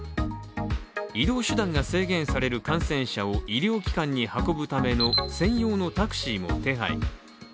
移動手段が制限される感染者を医療機関に運ぶための専用のタクシーも手配。